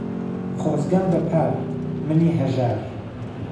خۆزگهم به پار، منی ههژار